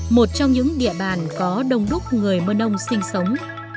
một trong những địa bàn có đông đúc người mưa nông sinh sống